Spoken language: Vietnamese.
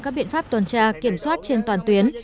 các biện pháp tuần tra kiểm soát trên toàn tuyến